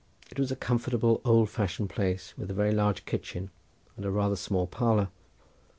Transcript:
It was a comfortable old fashioned place, with a very large kitchen and a rather small parlour.